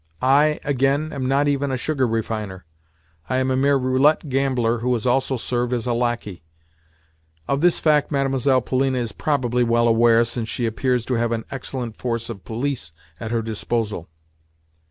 I, again, am not even a sugar refiner; I am a mere roulette gambler who has also served as a lacquey. Of this fact Mlle. Polina is probably well aware, since she appears to have an excellent force of police at her disposal."